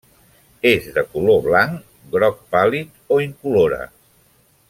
És de color blanc, groc pàl·lid o incolora.